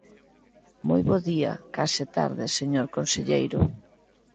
Moi bo día ―case tarde―, señor conselleiro.